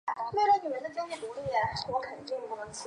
宁南县是中国四川省凉山彝族自治州所辖的一个县。